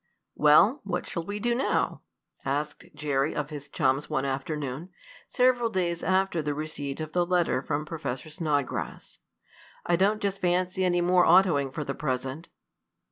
"Well, what shall we do now?" asked Jerry of his chums one afternoon, several days after the receipt of the letter from Professor Snodgrass. "I don't just fancy any more autoing for the present."